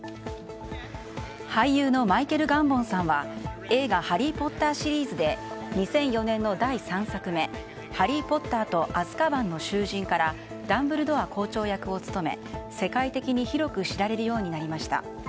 俳優のマイケル・ガンボンさんは映画「ハリー・ポッター」シリーズで２００４年の第３作目「ハリー・ポッターとアズカバンの囚人」からダンブルドア校長役を務め世界的に広く知られるようになりました。